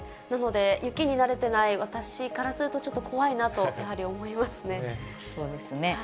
なので雪に慣れてない私からすると、ちょっと怖いなとやはり思いそうですね。